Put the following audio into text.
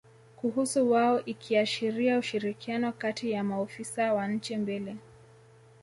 kuhusu wao ikiashiria ushirikiano kati ya maofisa wa nchi mbili